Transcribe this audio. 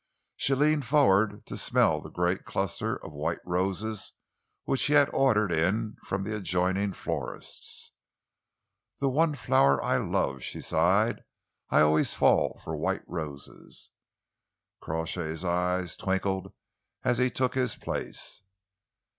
She leaned forward to smell the great cluster of white roses which he had ordered in from the adjoining florist's. "The one flower I love," she sighed. "I always fall for white roses." Crawshay's eyes twinkled as he took his place.